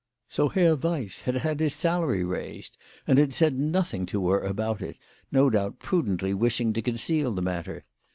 So Herr Weiss had had his salary raised, and had said nothing to her about it, no doubt prudently wishing to conceal the matter